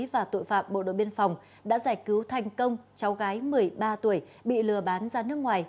và tội phạm bộ đội biên phòng đã giải cứu thành công cháu gái một mươi ba tuổi bị lừa bán ra nước ngoài